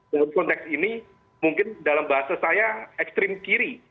dan konteks ini mungkin dalam bahasa saya ekstrim kiri